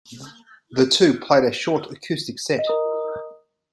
The two played a short acoustic set.